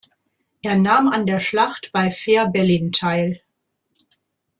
Er nahm an der Schlacht bei Fehrbellin teil.